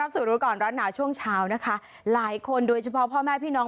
ฮัลโหลฮัลโหลฮัลโหลฮัลโหลฮัลโหลฮัลโหล